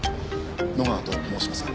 野川と申しますが。